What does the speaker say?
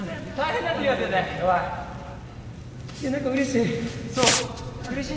何かうれしい。